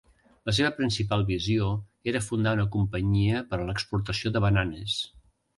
La seva principal visió era fundar una companyia per a l'exportació de bananes.